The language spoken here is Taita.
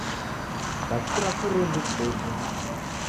Kasikira firimbi kuche.